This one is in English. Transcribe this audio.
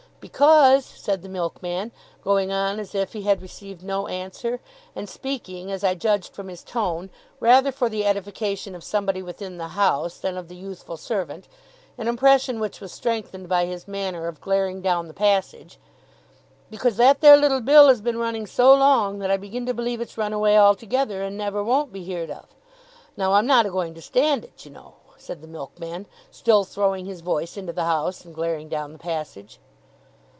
'Because,' said the milkman, going on as if he had received no answer, and speaking, as I judged from his tone, rather for the edification of somebody within the house, than of the youthful servant an impression which was strengthened by his manner of glaring down the passage 'because that there little bill has been running so long, that I begin to believe it's run away altogether, and never won't be heerd of. Now, I'm not a going to stand it, you know!' said the milkman, still throwing his voice into the house, and glaring down the passage.